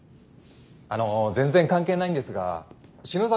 あの全然関係ないんですが篠崎